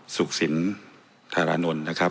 สุขสินธารานนท์นะครับ